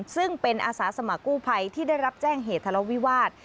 ซึ่งเป็นอาสาสมัครกู้ภัยที่ได้รับแจ้งเหตุทะเลาวิวาส